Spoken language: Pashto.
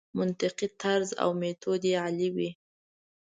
منطقي طرز او میتود یې عالي وي.